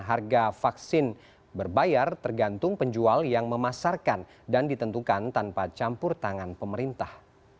harga vaksin berbayar tergantung penjual yang memasarkan dan ditentukan tanpa campur tangan pemerintah